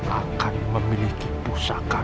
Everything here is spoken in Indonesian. akan memiliki pusaka